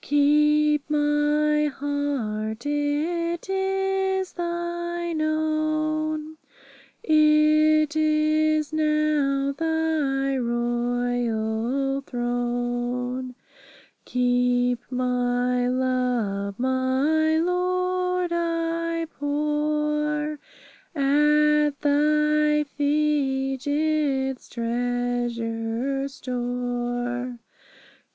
Keep my heart; it is Thine own; It is now Thy royal throne. Keep my love; my Lord, I pour At Thy feet its treasure store.